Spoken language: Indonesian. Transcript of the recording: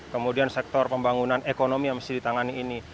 kemudian sektor pembangunan ekonomi yang mesti ditangani ini